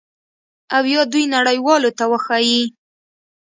او یا دوی نړیوالو ته وښایي